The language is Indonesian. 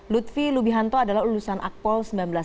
lutfi lubihanto adalah lulusan akpol seribu sembilan ratus delapan puluh